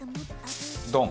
ドン？